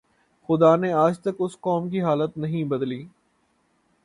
خدا نے آج تک اس قوم کی حالت نہیں بدلی